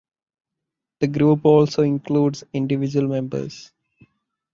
The group also includes individual members.